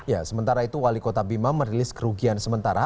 ya sementara itu wali kota bima merilis kerugian sementara